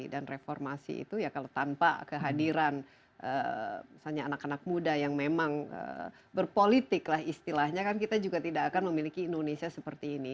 dan reformasi itu ya kalau tanpa kehadiran misalnya anak anak muda yang memang berpolitik lah istilahnya kan kita juga tidak akan memiliki indonesia seperti ini